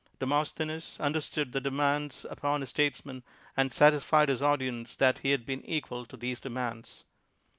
Demosthenes understood the demands upon a statesman and satisfied his audience that he had been equal to these demands.